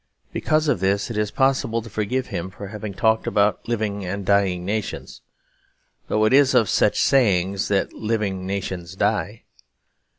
Because of this it is possible to forgive him for having talked about "living and dying nations": though it is of such sayings that living nations die.